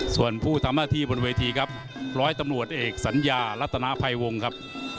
ส่วนผู้ทำหน้าที่บนเวทีครับร้อยตำรวจเอกสัญญารัฐนาภัยวงครับ